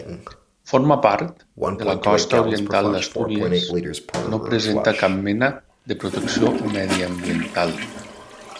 Forma part de la Costa oriental d'Astúries i no presenta cap mena de protecció mediambiental.